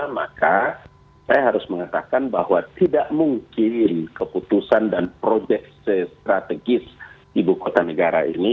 maka saya harus mengatakan bahwa tidak mungkin keputusan dan proyek strategis ibu kota negara ini